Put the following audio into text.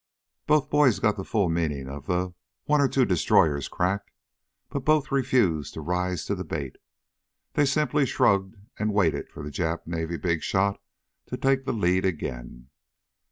Both boys got the full meaning of the "one or two destroyers" crack, but both refused to rise to the bait. They simply shrugged and waited for the Jap Navy big shot to take the lead again.